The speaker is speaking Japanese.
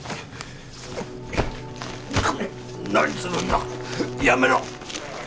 何するんだやめろッ